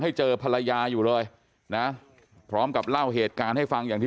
เจอภรรยาอยู่เลยนะพร้อมกับเล่าเหตุการณ์ให้ฟังอย่างที่